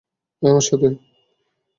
আয় আমার সাথে!